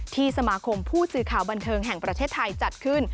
สมาคมผู้สื่อข่าวบันเทิงแห่งประเทศไทยจัดขึ้น